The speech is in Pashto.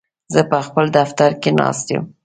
زه په خپل دفتر کې ناست یم.